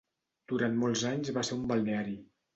Durant molts anys va ser un balneari.